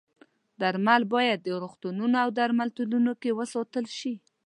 درمل باید په روغتونونو او درملتونونو کې وساتل شي.